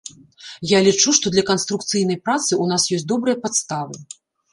Я лічу, што для канструкцыйнай працы у нас ёсць добрыя падставы.